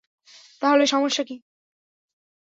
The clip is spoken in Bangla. তাহলে সমস্যা কি?